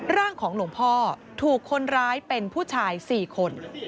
ร่างของหลวงพ่อถูกคนร้ายเป็นผู้ชาย๔คน